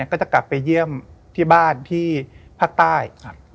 ก็จะกลับไปเยี่ยมที่บ้านที่ภาคใต้